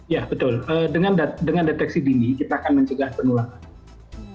ya betul dengan deteksi dini kita akan mencegah penularan